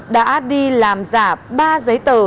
đã đi làm giả ba giấy tờ